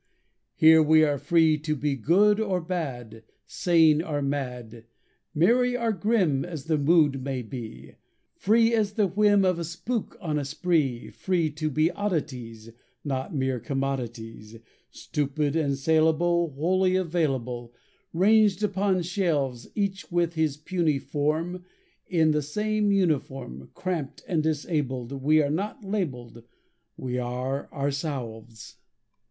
Here we are free To be good or bad, Sane or mad, Merry or grim As the mood may be, Free as the whim Of a spook on a spree, Free to be oddities, Not mere commodities, Stupid and salable, Wholly available, Ranged upon shelves; Each with his puny form In the same uniform, Cramped and disabled; We are not labelled, We are ourselves.